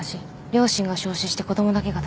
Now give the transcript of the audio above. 両親が焼死して子供だけが助かった。